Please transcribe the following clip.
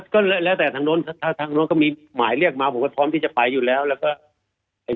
ก็แล้วแต่ทางโน้นถ้าทางนู้นก็มีหมายเรียกมาผมก็พร้อมที่จะไปอยู่แล้วแล้วก็ไอ้